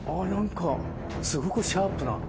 すごくシャープな。